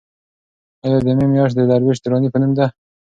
ایا د مې میاشت د درویش دراني په نوم ده؟